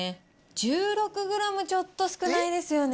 １６グラム、ちょっと少ないですよね。